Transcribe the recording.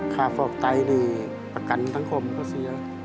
ฟอกไตนี่ประกันสังคมก็เสีย